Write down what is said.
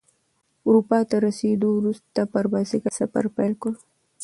اروپا ته رسیدو وروسته پر بایسکل سفر پیل کړ.